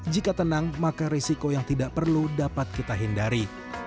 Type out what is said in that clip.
jika tenang maka risiko yang tidak perlu dapat kita hindari